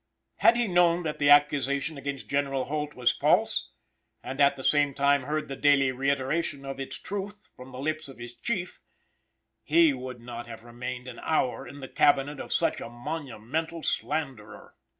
Had he known that the accusation against General Holt was false, and at the same time heard the daily reiteration of its truth from the lips of his Chief, he would not have remained an hour in the Cabinet of such a monumental slanderer.